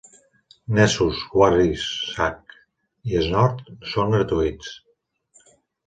Nessus, Wireshark i Snort són gratuïts.